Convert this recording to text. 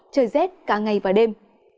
trời rét cả ngày và đêm